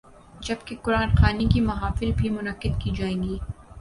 جب کہ قرآن خوانی کی محافل بھی منعقد کی جائیں گی۔